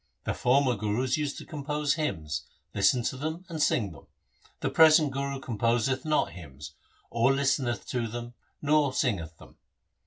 The former Gurus used to compose hymns, listen to them, and sing them ; the present Guru composeth not hymns, or listeneth to them, or singeth them.